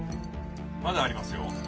「まだありますよ」